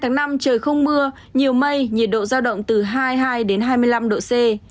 trời không mưa nhiều mây nhiệt độ giao động từ hai mươi hai hai mươi năm độ c